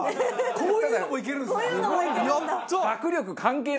こういうのもいけるんだ。